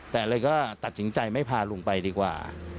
แต่เลยก็ตัดสินใจไม่พาลุงไปดีกว่า